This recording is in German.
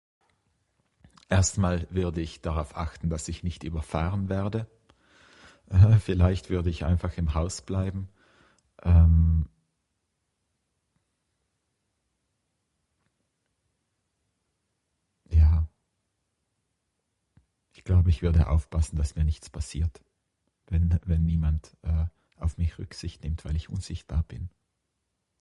Erstmal würde ich darauf achten, dass ich nicht überfahren werde. Vielleicht würde ich einfach im Haus bleiben. Ehm Ja. Ich glaube ich würde aufpassen das mir nichts passiert wenn jemand eh auf mich Rücksicht nimmt weil ich unsichtbar bin.